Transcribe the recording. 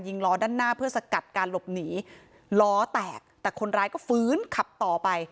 ล้อด้านหน้าเพื่อสกัดการหลบหนีล้อแตกแต่คนร้ายก็ฟื้นขับต่อไป